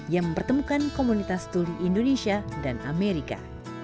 yang mempertemukan komunitas tuli indonesia dan amerika